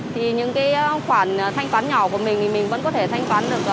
thì những cái khoản thanh toán nhỏ của mình thì mình vẫn có thể thanh toán được